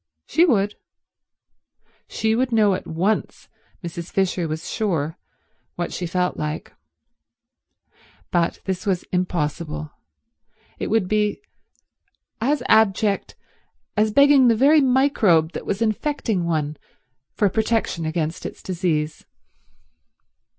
She would. She would know at once, Mrs. Fisher was sure, what she felt like. But this was impossible. It would be as abject as begging the very microbe that was infecting one for protection against its disease.